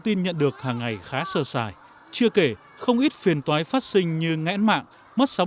tin nhận được hàng ngày khá sơ sài chưa kể không ít phiền tói phát sinh như ngẽn mạng mất sóng